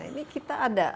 ini kita ada